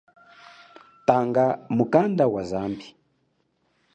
Tanga mukanda wa zambi.